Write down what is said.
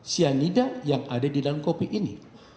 cyanida yang ada di dalam kopi ini